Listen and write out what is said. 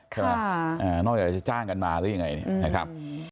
นอกจากจะจ้างกันมาหรือยังไงนะครับ